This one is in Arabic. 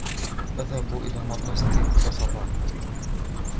أذهب إلى المدرسة كل صباح.